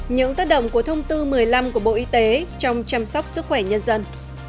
những tác động của thông tư một mươi năm của bộ y tế trong chăm sóc sức khỏe nhân dân